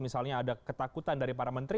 misalnya ada ketakutan dari para menteri